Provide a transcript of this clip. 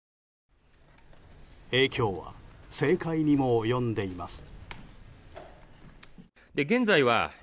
影響は、政界にも及んでいます。